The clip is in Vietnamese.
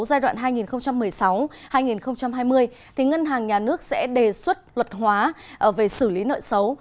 giai đoạn hai nghìn một mươi sáu hai nghìn hai mươi ngân hàng nhà nước sẽ đề xuất luật hóa về xử lý nợ xấu